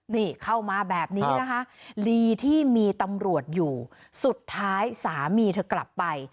นี่เข้ามาแบบนี้นะคะลีที่มีตำรวจอยู่สุดท้ายสามีเธอกลับไป